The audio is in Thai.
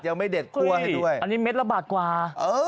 ยังไม่เด็ดคั่วให้ด้วยอันนี้เม็ดละบาทกว่า